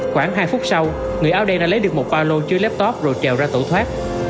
khoảng hai phút sau người áo đen đã lấy được một ba lô chơi laptop rồi trèo ra tổ thoát